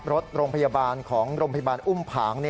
รถโรงพยาบาลของโรงพยาบาลอุ้มผาง